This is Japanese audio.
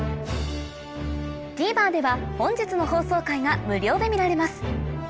ＴＶｅｒでは本日の放送回が無料で見られます